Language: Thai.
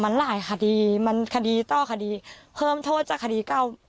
มันหลายคดีมันคดีต่อคดีเพิ่มโทษจากคดีเก่า